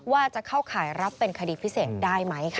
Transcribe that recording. ว่าจะเข้าข่ายรับเป็นคดีพิเศษได้ไหมค่ะ